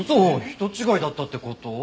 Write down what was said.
人違いだったって事？